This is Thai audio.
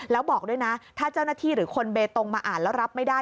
แล้วบอกด้วยนะถ้าเจ้าหน้าที่หรือคนเบตงมาอ่านแล้วรับไม่ได้